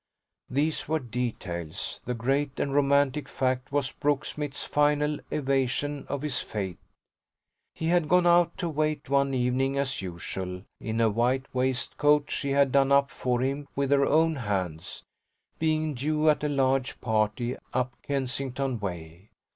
These were details; the great and romantic fact was Brooksmith's final evasion of his fate. He had gone out to wait one evening as usual, in a white waistcoat she had done up for him with her own hands being due at a large party up Kensington way.